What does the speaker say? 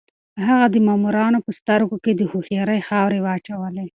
هغه د مامورانو په سترګو کې د هوښيارۍ خاورې واچولې.